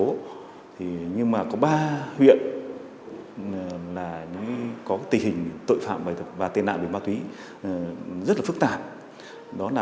có ba huyện có tỉ hình nector bí quyết về toàn loạt di chuyển tội phạm về ma túy rất phức tạp